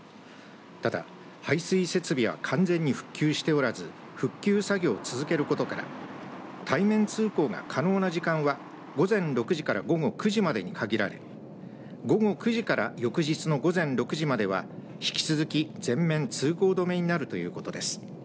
ただ、排水設備は完全に復旧しておらず復旧作業を続けることから対面通行が可能な時間は午前６時から午後９時までに限られ午後９時から翌日の午前６時までは引き続き全面通行止めになるということです。